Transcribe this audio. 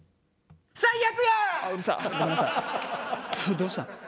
どうしたん？